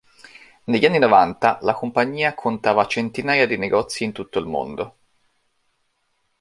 Negli anni novanta la compagnia contava centinaia di negozi in tutto il mondo.